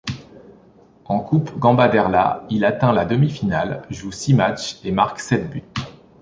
En coupe Gambardella, il atteint la demi-finale, joue six matches et marque sept buts.